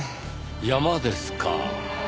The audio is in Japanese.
山ですか？